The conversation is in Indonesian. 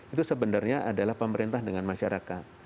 itu sebenarnya adalah pemerintah dengan masyarakat